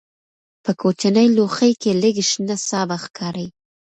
په کوچني لوښي کې لږ شنه سابه ښکاري.